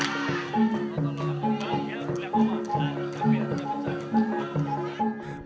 dan juga batang berlokang